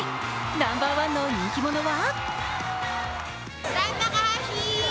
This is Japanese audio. ナンバーワンの人気者は？